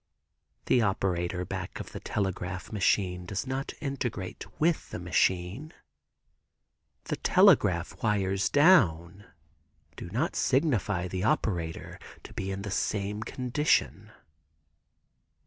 The operator back of the telegraph machine does not integrate with the machine. The telegraph wires down do not signify the operator to be in the same condition.